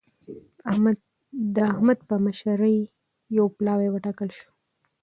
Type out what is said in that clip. د احمد په مشرۍ يو پلاوی وټاکل شو.